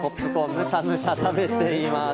むしゃむしゃ食べています。